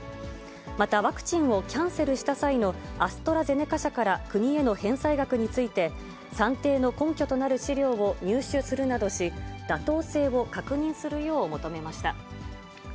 また、ワクチンをキャンセルした際のアストラゼネカ社から国への返済額について、算定の根拠となる資料を入手するなどし、妥当性を確認するよう求めました。